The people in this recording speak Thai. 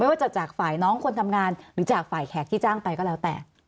ว่าจะจากฝ่ายน้องคนทำงานหรือจากฝ่ายแขกที่จ้างไปก็แล้วแต่